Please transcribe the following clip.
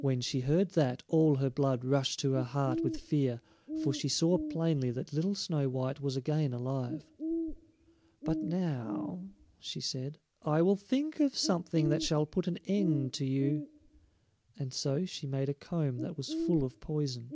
When she heard that, all her blood rushed to her heart with fear, for she saw plainly that little Snow white was again alive. "But now," she said, "I will think of something that shall put an end to you," and so she made a comb that was full of poison.